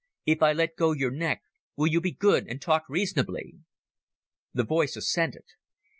If I let go your neck, will you be good and talk reasonably?" The voice assented.